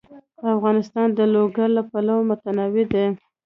افغانستان د لوگر له پلوه متنوع دی.